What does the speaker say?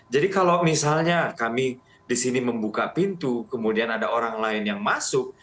jadi kalau misalnya kami di sini membuka pintu kemudian ada orang lain yang masuk